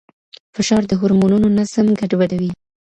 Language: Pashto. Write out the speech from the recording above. فشار د هورمونونو نظم ګډوډوي.